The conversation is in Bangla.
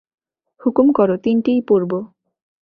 হুকুম কর তিনটেই পরব।